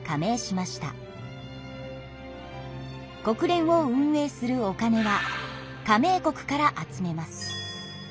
国連を運営するお金は加盟国から集めます。